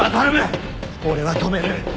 俺は止める。